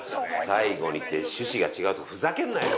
最後にきて趣旨が違うとかふざけんなよ！